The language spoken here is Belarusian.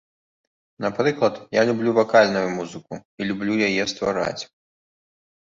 Напрыклад, я люблю вакальную музыку і люблю яе ствараць.